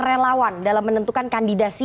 relawan dalam menentukan kandidasi